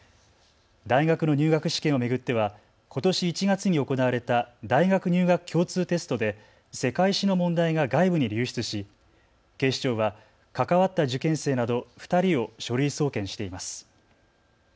大学の入学試験を巡ってはことし１月に行われた大学入学共通テストで世界史の問題が外部に流出し警視庁は関わった受験生など２人を書類送検しています。